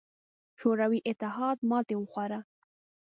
شوروي اتحاد ماتې وخوړه.